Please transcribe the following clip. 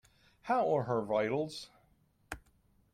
How are her vitals?